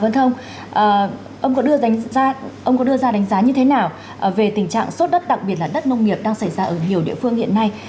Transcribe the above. vâng thông ông có đưa ra đánh giá như thế nào về tình trạng sốt đất đặc biệt là đất nông nghiệp đang xảy ra ở nhiều địa phương hiện nay